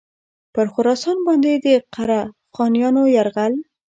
پر خراسان باندي د قره خانیانو یرغل.